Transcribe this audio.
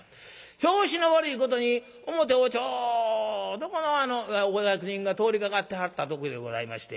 拍子の悪いことに表をちょうどこのお役人が通りかかってはった時でございまして。